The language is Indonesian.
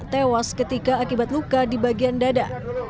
tewas ketika akibat luka di bagian dada